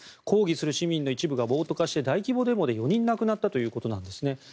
抗議する市民の一部が暴徒化して大規模デモで４人亡くなったということです。